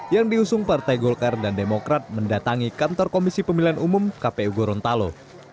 yang diusung partai golkar dan demokrat mendatangi kantor komisi pemilihan umum kpu gorontalo